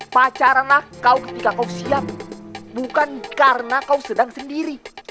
pacaranlah kau ketika kau siap bukan karena kau sedang sendiri